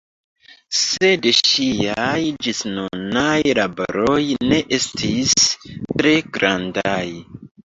Sed ŝiaj ĝisnunaj laboroj ne estis tre grandaj.